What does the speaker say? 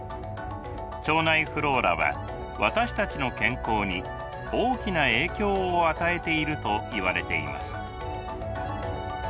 腸内フローラは私たちの健康に大きな影響を与えているといわれています。